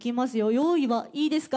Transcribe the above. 用意はいいですか？